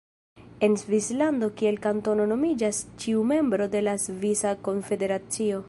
En Svislando kiel kantono nomiĝas ĉiu membro de la Svisa Konfederacio.